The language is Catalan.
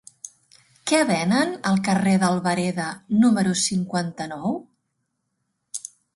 Què venen al carrer d'Albareda número cinquanta-nou?